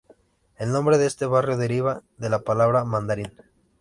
El nombre de este barrio deriva de la palabra "Mandarín".